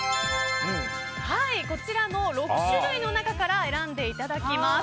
こちらの６種類の中から選んでいただきます。